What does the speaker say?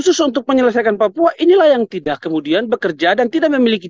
khusus untuk menyelesaikan papua inilah yang tidak kemudian bekerja dan tidak memiliki